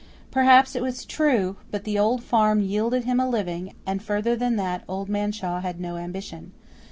Perhaps it was true; but the old farm yielded him a living, and further than that Old Man Shaw had no ambition.